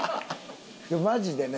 マジでね